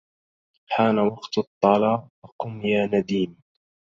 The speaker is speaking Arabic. حان وقت الطلا فقم يا نديم